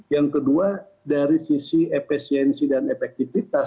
yang kedua dari sisi efisiensi dan efektivitas